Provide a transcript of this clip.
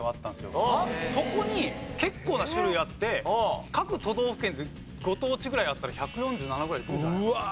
そこに結構な種類あって各都道府県でご当地ぐらいあったら１４７ぐらいいくんじゃないかな。